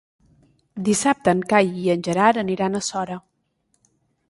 Dissabte en Cai i en Gerard aniran a Sora.